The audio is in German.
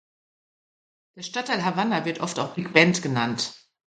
Der Stadtteil Havana wird oft auch Big Bend genannt.